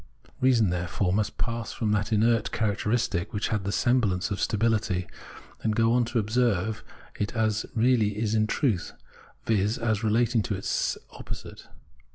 Reason, there fore, must pass from that inert characteristic which had the semblance of stability, and go on to observe it as it really is in truth, viz. as relating itself to its opposite.